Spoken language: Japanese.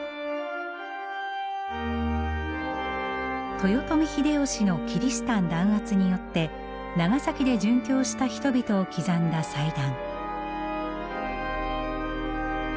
豊臣秀吉のキリシタン弾圧によって長崎で殉教した人々を刻んだ祭壇。